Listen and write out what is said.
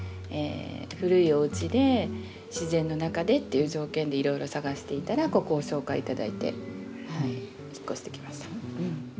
古いおうちで自然の中でっていう条件でいろいろ探していたらここを紹介頂いて引っ越してきました。